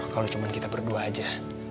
kalau cuma kita berdua aja